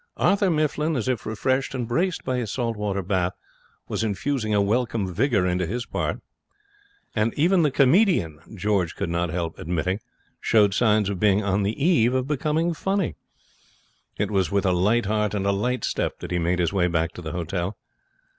Arthur Mifflin, as if refreshed and braced by his salt water bath, was infusing a welcome vigour into his part. And even the comedian, George could not help admitting, showed signs of being on the eve of becoming funny. It was with a light heart and a light step that he made his way back to the hotel.